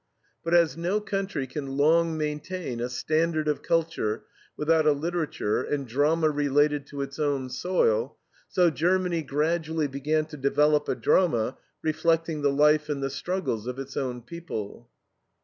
But as no country can long maintain a standard of culture without a literature and drama related to its own soil, so Germany gradually began to develop a drama reflecting the life and the struggles of its own people.